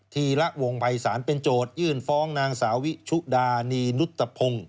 ธีระวงภัยศาลเป็นโจทยื่นฟ้องนางสาวิชุดานีนุตพงศ์